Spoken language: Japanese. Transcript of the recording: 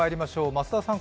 増田さん